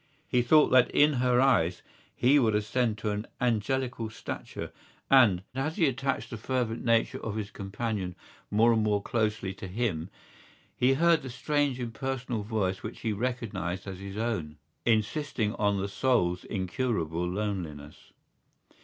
He thought that in her eyes he would ascend to an angelical stature; and, as he attached the fervent nature of his companion more and more closely to him, he heard the strange impersonal voice which he recognised as his own, insisting on the soul's incurable loneliness.